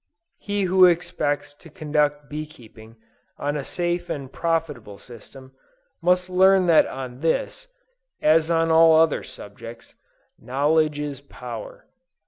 He who expects to conduct bee keeping on a safe and profitable system, must learn that on this, as on all other subjects, "knowledge is power."